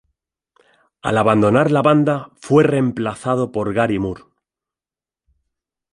Al abandonar la banda fue reemplazado por Gary Moore.